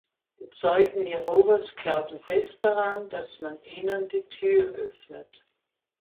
Die Zeugen Jehovas glauben fest daran, dass man ihnen die Tür öffnet.